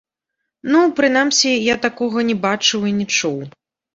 Ну, прынамсі, я такога не бачыў і не чуў.